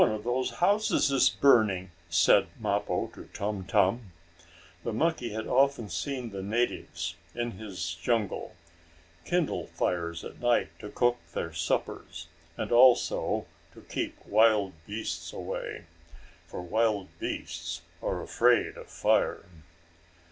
"One of those houses is burning," said Mappo to Tum Tum. The monkey had often seen the natives, in his jungle, kindle fires at night to cook their suppers, and also to keep wild beasts away. For wild beasts are afraid of fire.